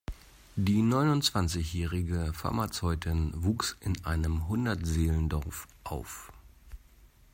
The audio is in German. Die neunundzwanzigjährige Pharmazeutin wuchs in einem Hundert-Seelen-Dorf auf.